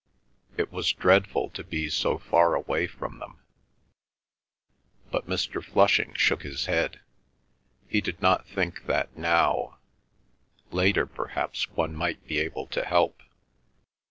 It was dreadful to be so far away from them. But Mr. Flushing shook his head; he did not think that now—later perhaps one might be able to help.